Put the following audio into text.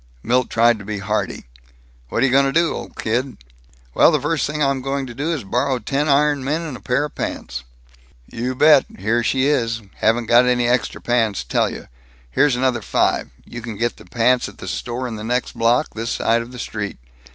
Milt tried to be hearty: "What're you going to do, old kid?" "Well, the first thing I'm going to do is to borrow ten iron men and a pair of pants." "You bet! Here she is. Haven't got any extra pants. Tell you: Here's another five, and you can get the pants at the store in the next block, this side of the street.